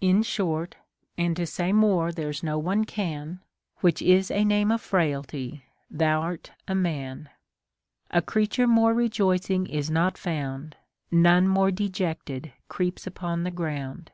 In short, — and to say more there's no one can, — Which is a name of frailty, thou'rt a man ; A creature more rejoicing is not found. None more dejected creeps upon the ground.